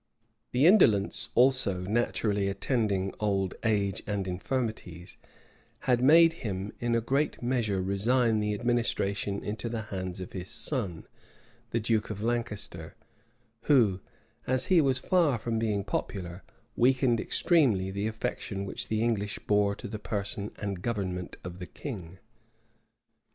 [*]* Walsing, p. 189. The indolence also, naturally attending old age and infirmities, had made him in a great measure resign the administration into the hands of his son, the duke of Lancaster, who, as he was far from being popular, weakened extremely the affection which the English bore to the person and government of the king.